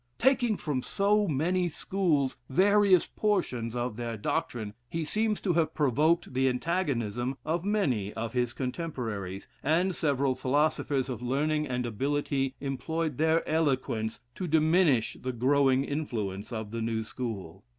Taking from so many schools various portions of their doctrine, he seems to have provoked the antagonism of many of his contemporaries, and several philosophers of learning and ability employed their eloquence to diminish the growing influence of the new school.